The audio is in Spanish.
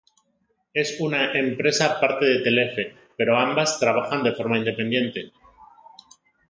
Es una empresa parte de Telefe, pero ambas, trabajan de forma independiente.